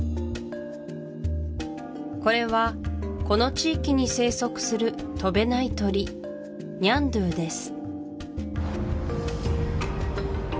これはこの地域に生息する飛べない鳥ニャンドゥーです